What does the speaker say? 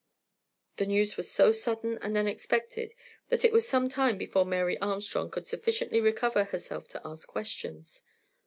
The news was so sudden and unexpected that it was some time before Mary Armstrong could sufficiently recover herself to ask questions.